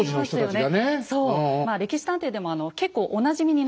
「歴史探偵」でも結構おなじみになってまいりました